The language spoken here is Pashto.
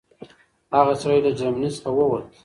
هغه سړی له جرمني څخه ووت.